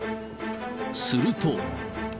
すると。